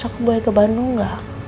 aku boleh ke bandung gak